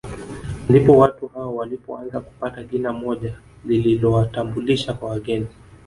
Ndipo watu hao walipoanza kupata jina moja lililowatambulisha kwa wageni